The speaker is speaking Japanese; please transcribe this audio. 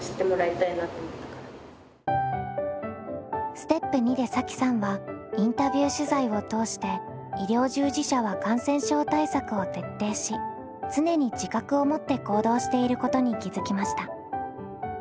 ステップ２でさきさんはインタビュー取材を通して医療従事者は感染症対策を徹底し常に自覚を持って行動していることに気付きました。